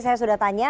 saya sudah tanya